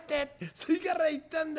それから行ったんだ。